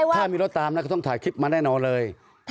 ถ้ามีรถตามแล้วก็ต้องถ่ายคลิปมาแน่นอนเลย